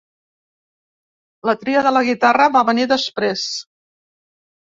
La tria de la guitarra va venir després.